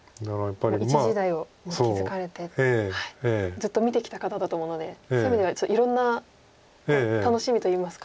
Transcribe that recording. ずっと見てきた方だと思うのでそういう意味ではいろんな楽しみといいますか。